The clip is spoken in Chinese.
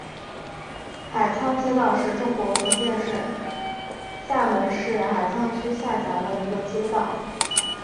海沧街道是中国福建省厦门市海沧区下辖的一个街道。